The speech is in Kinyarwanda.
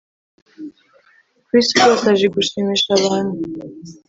Chris rwose azi gushimisha abantu